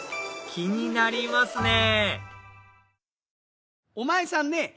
気になりますねぇ！